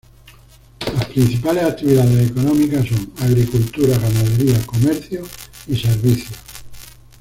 Las principales actividades económicas son: agricultura, ganadería, comercio y servicios.